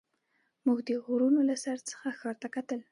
موږ د غرونو له سر څخه ښار ته کتل.